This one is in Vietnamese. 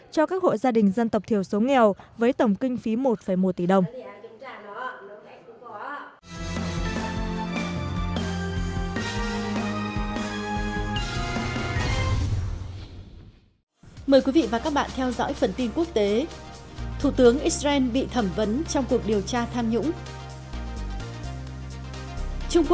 cho các hội gia đình dân tộc thiểu số nghèo với tổng kinh phí một một tỷ đồng